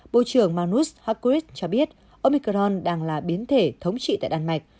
bộ trưởng manus hackrib cho biết omicron đang là biến thể thống trị tại đan mạch